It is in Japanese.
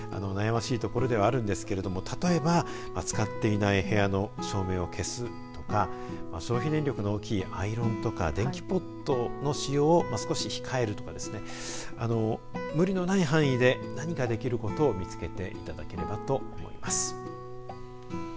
悩ましいところではありますが例えば、使っていない部屋の照明を消すとか消費電力の大きいアイロンや電気ポットの使用を少し控えるなど、無理のない範囲で何かできることを見つけていただければと思います。